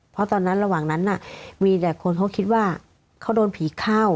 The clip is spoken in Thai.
เพราะตอนนั้นระหว่างนั้นมีแต่คนเขาคิดว่าเขาโดนผีเข้า